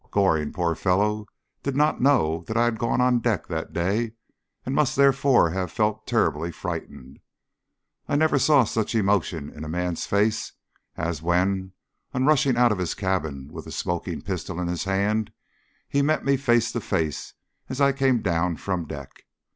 Goring, poor fellow, did not know that I had gone on deck that day, and must therefore have felt terribly frightened. I never saw such emotion in a man's face as when, on rushing out of his cabin with the smoking pistol in his hand, he met me face to face as I came down from deck.